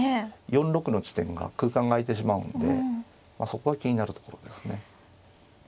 ４六の地点が空間が空いてしまうんでそこは気になるところですね。